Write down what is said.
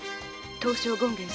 東照権現様